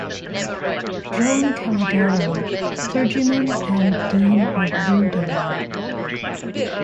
Joan Calderó, clergyman and dean of Riudellots.